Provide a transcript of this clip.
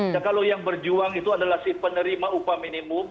ya kalau yang berjuang itu adalah si penerima upah minimum